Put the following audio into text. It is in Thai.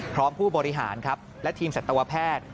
ผู้บริหารครับและทีมสัตวแพทย์